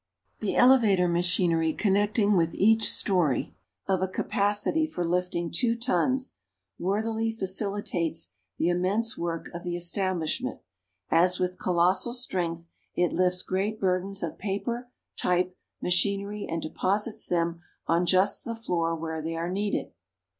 The elevator machinery connecting with each story, of a capacity for lifting two tons, worthily facilitates the immense work of the establishment, as with colossal strength it lifts great burdens of paper, type, machinery, and deposits them on just the floor where they are needed.